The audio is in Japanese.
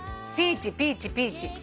ピーチピーチピーチ。